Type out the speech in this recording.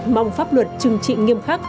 mong pháp luật trừng trị nghiêm khắc